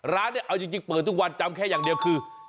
ร้านเนี่ยเอาจริงเปิดทุกวันจำแค่อย่างเดียวคือ